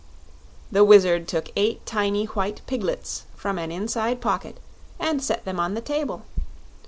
The Wizard took eight tiny white piglets from an inside pocket and set them on the table.